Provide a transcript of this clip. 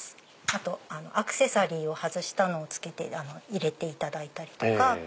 あとアクセサリーを外したのを入れていただいたりとか。